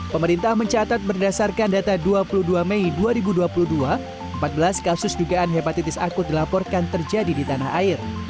pemerintah mencatat berdasarkan data dua puluh dua mei dua ribu dua puluh dua empat belas kasus dugaan hepatitis akut dilaporkan terjadi di tanah air